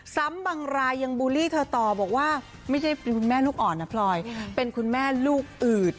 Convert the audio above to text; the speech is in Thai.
ซ้ำบางรายยังบูลลี่เธอต่อบอกว่าไม่ใช่คุณแม่ลูกอ่อนนะพลอยเป็นคุณแม่ลูกอืด